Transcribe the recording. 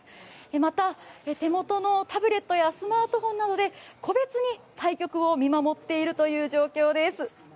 また、手元のタブレットやスマートフォンなどで個別に対局を見守っているという状況です。